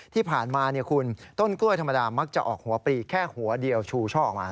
ที่ผ่านมาคุณต้นกล้วยธรรมดามักจะออกหัวปลีแค่หัวเดียวชูช่อออกมา